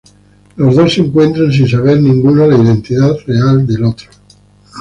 Los dos se encuentran sin saber ninguno la identidad real del otro.